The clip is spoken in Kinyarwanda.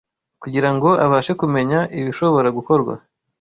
kugirango abashe kumenya ibishobora gukorwa